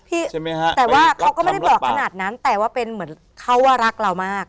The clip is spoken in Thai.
ใช่ไหมฮะแต่ว่าเขาก็ไม่ได้บอกขนาดนั้นแต่ว่าเป็นเหมือนเขาว่ารักเรามาก